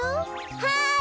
はい！